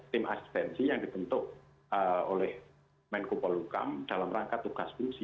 tim asistensi yang dibentuk oleh pandemen kepol kukam dalam rangka tugas fungsi